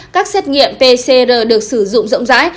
các xét nghiệm pcr được sử dụng rộng rãi